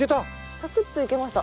サクッといけました。